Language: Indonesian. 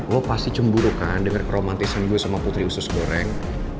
lo pasti cemburu kan denger romantisan gue sama putri usus goreng